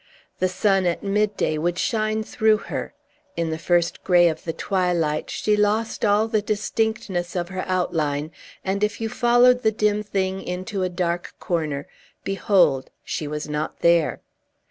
The sun at midday would shine through her; in the first gray of the twilight, she lost all the distinctness of her outline; and, if you followed the dim thing into a dark corner, behold! she was not there.